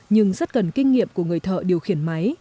nhưng rất cần kinh nghiệm của người thợ điều khiển máy